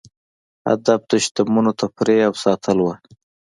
هدف د شتمنو تفریح او ساتل وو.